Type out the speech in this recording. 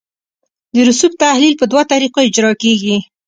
د رسوب تحلیل په دوه طریقو اجرا کیږي